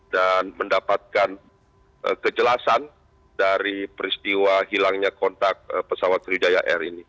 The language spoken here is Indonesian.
dan mendapatkan kejelasan dari peristiwa hilangnya kontak pesawat kerja air ini